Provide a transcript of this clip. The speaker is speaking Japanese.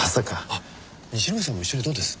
あっ西村さんも一緒にどうです？